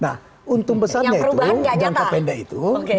nah untung besarnya itu jangka pendek itu